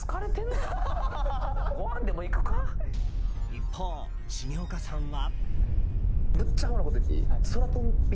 一方、重岡さんは？